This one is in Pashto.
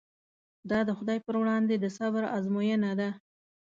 دا د خدای پر وړاندې د صبر ازموینه ده.